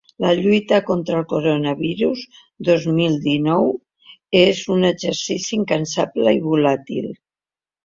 La lluita contra el coronavirus dos mil dinou és un exercici incansable i volàtil.